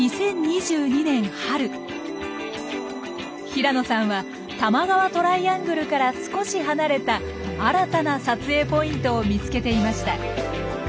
平野さんは多摩川トライアングルから少し離れた新たな撮影ポイントを見つけていました。